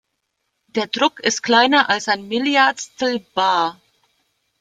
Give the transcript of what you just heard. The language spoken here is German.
Der Druck ist kleiner als ein Milliardstel Bar.